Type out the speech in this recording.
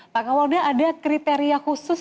pak kapolda ada kriteria khusus